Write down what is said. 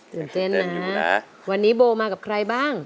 ตื่นเต้นนะวันนี้โบมากับใครบ้าง